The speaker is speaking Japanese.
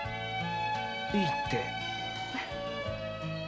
いいって？